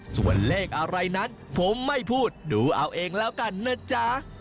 ส่วนเลขอะไรนั้นผมไม่พูดดูเอาเองแล้วกันนะจ๊ะ